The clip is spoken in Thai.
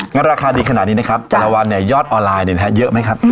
ราคาดีขนาดนี้นะครับแต่ละวันเนี่ยยอดออนไลน์เยอะไหมครับ